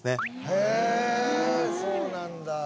へえそうなんだ